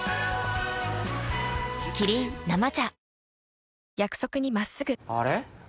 キリン「生茶」